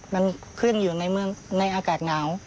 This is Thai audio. มันขึ้นอยู่ในเมืองในอากาศหนาว